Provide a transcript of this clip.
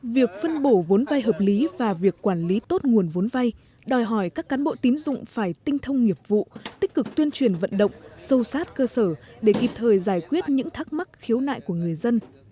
việc phân bổ vốn vai hợp lý và việc quản lý tốt nguồn vốn vai đòi hỏi các cán bộ tín dụng phải tinh thông nghiệp vụ tích cực tuyên truyền vận động sâu sát cơ sở để kịp thời giải quyết những thắc mắc khiếu nại của người dân